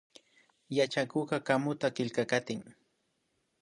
Yachakukka kamuta killkakatin